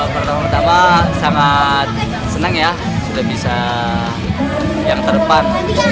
pertama tama sangat senang ya sudah bisa yang terdepan